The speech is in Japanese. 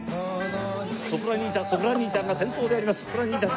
ソプラニータソプラニータが先頭であります。